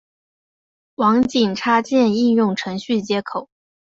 网景插件应用程序接口。